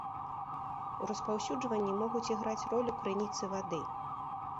У распаўсюджванні могуць іграць ролю крыніцы вады.